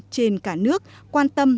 trên cả nước quan tâm